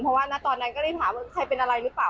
เพราะว่าณตอนนั้นก็ได้ถามว่าใครเป็นอะไรหรือเปล่า